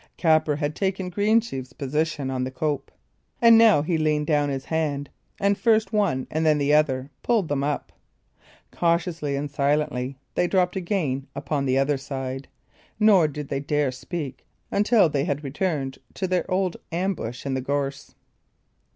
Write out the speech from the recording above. Capper had taken Greensheve's position on the cope, and now he leaned down his hand, and, first one and then the other, pulled them up. Cautiously and silently, they dropped again upon the other side; nor did they dare to speak until they had returned to their old ambush in the gorse.